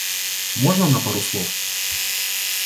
Можно на пару слов?